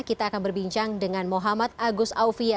kita akan berbincang dengan muhammad agus aufia